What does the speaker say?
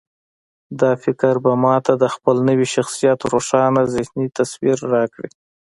دا فکر به ما ته د خپل نوي شخصيت روښانه ذهني تصوير راکړي.